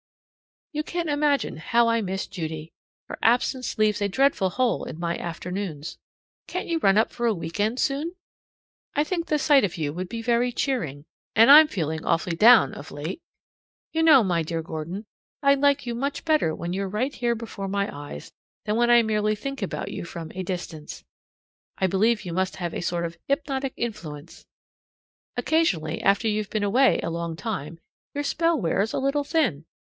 You can't imagine how I miss Judy. Her absence leaves a dreadful hole in my afternoons. Can't you run up for a week end soon? I think the sight of you would be very cheering, and I'm feeling awfully down of late. You know, my dear Gordon, I like you much better when you're right here before my eyes than when I merely think about you from a distance. I believe you must have a sort of hypnotic influence. Occasionally, after you've been away a long time, your spell wears a little thin.